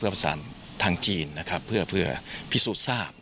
เพื่อประสานทางจีนเพื่อพิสูจน์ทราบ